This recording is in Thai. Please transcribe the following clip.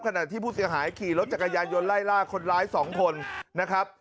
ขณะที่ผู้เสียหายขี่รถจักรยานยนต์ไล่ล่าคนร้าย๒คนนะครับ